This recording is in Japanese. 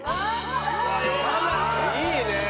いいねえ。